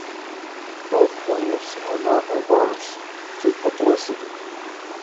Both plaintiffs are not averse to publicity.